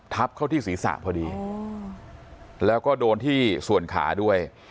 เข้าที่ศีรษะพอดีแล้วก็โดนที่ส่วนขาด้วย